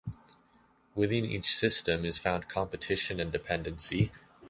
Within each system is found competition and dependency.